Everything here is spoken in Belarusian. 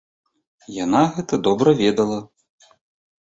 Яна гэта добра ведала.